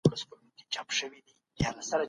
خپل ځان له هر ډول بدو کارونو او افکارو څخه وساتئ.